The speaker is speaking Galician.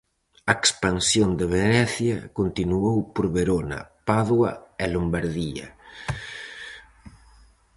A expansión de Venecia continuou por Verona, Padua e Lombardía.